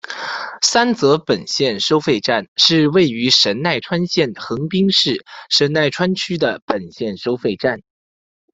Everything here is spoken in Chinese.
三泽本线收费站是位于神奈川县横滨市神奈川区的本线收费站。